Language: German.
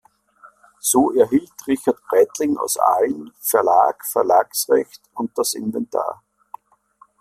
So erhielt Richard Breitling aus Aalen Verlag, Verlagsrecht und das Inventar.